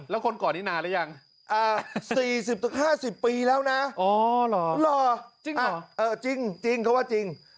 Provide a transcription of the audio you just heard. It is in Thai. แล้วคนก่อนนี้นานแล้วยัง๔๐๕๐ปีแล้วนะอ๋อหรอจริงเหรอจริงเขาว่าจริง